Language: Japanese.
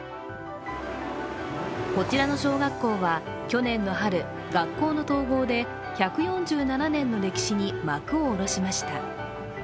こちらの小学校は去年の春、学校の統合で１４７年の歴史に幕を下ろしました。